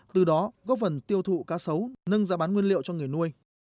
từ đó góp phần tiêu thụ cá sấu nâng giá bán nguyên liệu cho người nuôi